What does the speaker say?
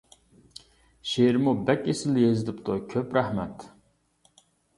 شېئىرمۇ بەك ئېسىل يېزىلىپتۇ، كۆپ رەھمەت!